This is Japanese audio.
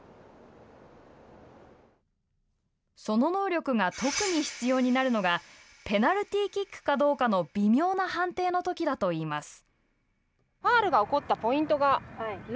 その能力が特に必要になるのがペナルティーキックかどうかの微妙な判定のときだといいます。